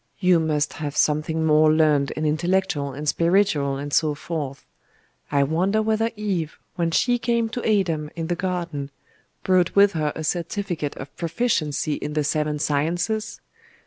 You must have something more learned and intellectual and spiritual, and so forth. I wonder whether Eve, when she came to Adam in the garden, brought with her a certificate of proficiency in the seven sciences?